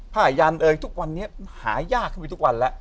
ผ้ายันเอยทุกวันนี้หายากขึ้นไปทุกวันแล้ว